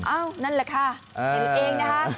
อ้าวนั่นแหละค่ะอยู่เองนะคะ